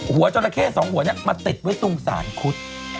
หัวจราเข้สองหัวเนี่ยมาติดไว้ตรงศาลคุฑ